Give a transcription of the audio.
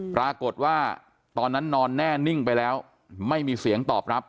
ปรากฏว่าตอนนั้นนอนแน่นิ่งไปแล้วไม่มีเสียงตอบรับ